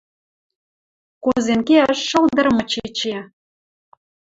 Кузен кеӓш шылдыр мыч эче.